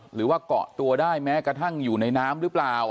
หรือว่าเกาะตัวได้แม้กระทั่งอยู่ในน้ำหรือเปล่า